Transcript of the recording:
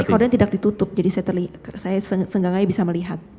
tapi korden tidak ditutup jadi saya seenggak enggaknya bisa melihat